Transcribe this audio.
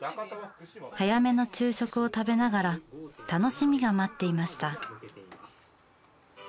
早めの昼食を食べながら楽しみが待っていました。